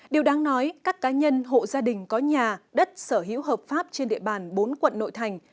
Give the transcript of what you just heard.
điều đáng nói các cá nhân hộ gia đình có nhà đất sở hữu hợp pháp trên địa bàn bốn quận nội thành